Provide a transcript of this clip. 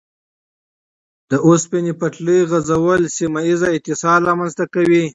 د اوسپنې پټلۍ غځول سیمه ییز اتصال رامنځته کوي.